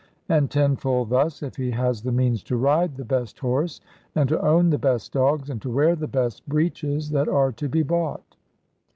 And tenfold thus, if he has the means to ride the best horse, and to own the best dogs, and to wear the best breeches that are to be bought.